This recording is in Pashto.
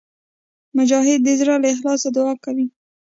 مجاهد د زړه له اخلاصه دعا کوي.